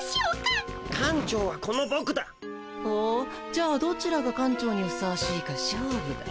じゃあどちらが館長にふさわしいか勝負だ。